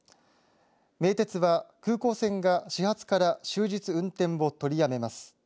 名鉄は空港線が始発から終日運転を取りやめます。